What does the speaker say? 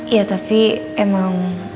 ya tapi emang